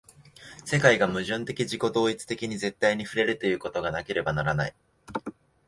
世界が矛盾的自己同一的に絶対に触れるということがなければならない。